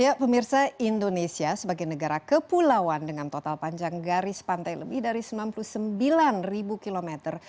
ya pemirsa indonesia sebagai negara kepulauan dengan total panjang garis pantai lebih dari sembilan puluh sembilan kilometer